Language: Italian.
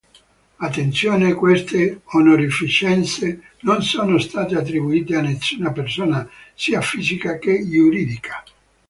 Attenzione queste onorificenze non sono state attribuite a nessuna persona, sia fisica che giuridica.